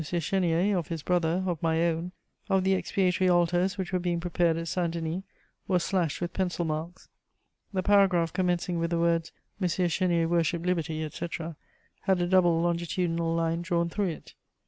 Chénier, of his brother, of my own, of the expiatory altars which were being prepared at Saint Denis was slashed with pencil marks. The paragraph commencing with the words, "M. Chénier worshipped liberty," etc., had a double longitudinal line drawn through it.